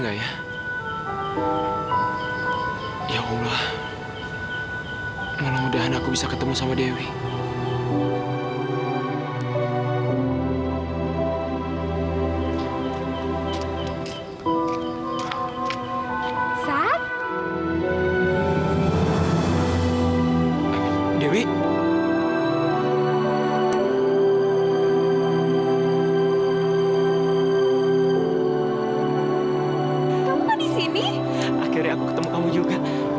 akhirnya aku ketemu kamu juga